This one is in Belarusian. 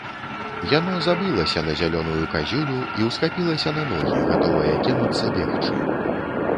Яно забылася на зялёную казюлю і ўсхапілася на ногі, гатовае кінуцца бегчы.